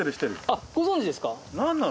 あっご存じですか？